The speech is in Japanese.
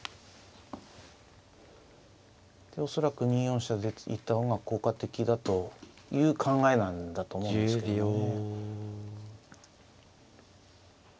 恐らく２四飛車で行った方が効果的だという考えなんだと思うんですけどね。